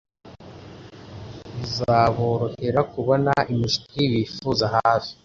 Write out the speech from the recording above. bizaborohera kubona imishwi bifuza hafi,